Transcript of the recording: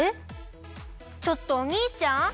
ちょっとおにいちゃん？